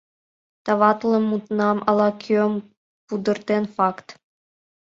Товатлыме мутнам ала-кӧ пудыртен, факт!